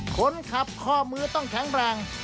คนขับข้อมือต้องแข็งแรง